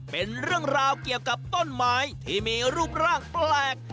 เป็นเรื่องราวเกี่ยวกับต้นไม้ที่มีรูปร่างแปลก